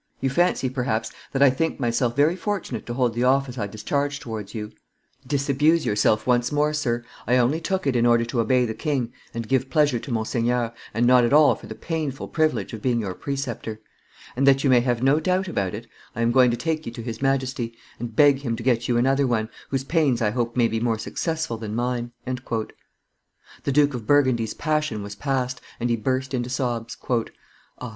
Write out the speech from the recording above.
You fancy, perhaps, that I think myself very fortunate to hold the office I discharge towards you; disabuse yourself once more, sir; I only took it in order to obey the king and give pleasure to Monseigneur, and not at all for the painful privilege of being your preceptor; and, that you may have no doubt about it, I am going to take you to his Majesty, and beg him to get you another one, whose pains I hope may be more successful than mine." The Duke of Burgundy's passion was past, and he burst into sobs. "Ah!